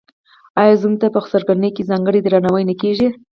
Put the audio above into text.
آیا زوم ته په خسرګنۍ کې ځانګړی درناوی نه کیږي؟